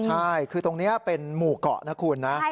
ใช่คือตรงนี้เป็นหมู่เกาะนะคุณนะ